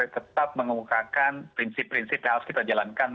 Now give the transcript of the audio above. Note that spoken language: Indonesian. tetap mengumumkakan prinsip prinsip yang harus kita jalankan